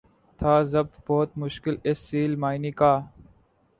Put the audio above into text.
تھا ضبط بہت مشکل اس سیل معانی کا